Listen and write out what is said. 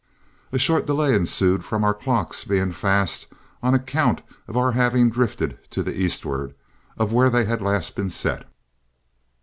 A short delay ensued from our clocks being fast on account of our having drifted to the eastward, of where they had last been set.